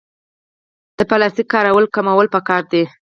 د پلاستیک کارول کمول پکار دي